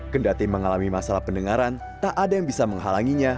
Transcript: kendati mengalami masalah pendengaran tak ada yang bisa menghalanginya